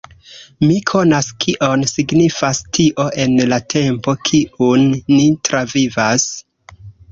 Mi konas kion signifas tio en la tempo kiun ni travivas.